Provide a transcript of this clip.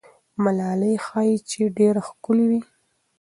ملالۍ ښایي چې ډېره ښکلې وه.